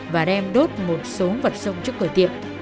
và đem đốt một số vật sông trước cửa tiệm